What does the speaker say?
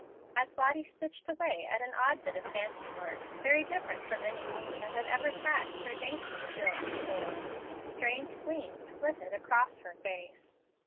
As Lottie stitched away at an odd bit of fancy work very different from any thing that had ever taxed her dainty skill before strange gleams flitted across her face.